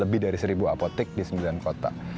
lebih dari seribu apotek di sembilan kota